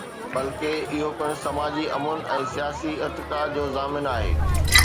بلڪه، اهو پڻ سماجي امن ۽ سياسي ارتقاء جو ضامن آهي.